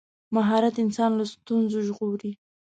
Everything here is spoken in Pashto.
مهارت انسان له ستونزو ژغوري.